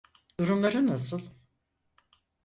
Durumları nasıl?